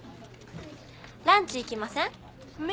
ランチ行きません？